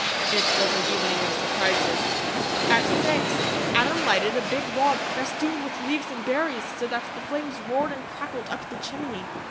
It was an evening of surprises. At six, Adam lighted a big log, festooned with leaves and berries so that the flames roared and crackled up the chimney.